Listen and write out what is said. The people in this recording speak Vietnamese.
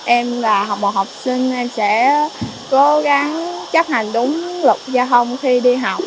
em là một học sinh em sẽ cố gắng chấp hành đúng luật giao thông khi đi học